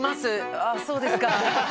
ああそうですか。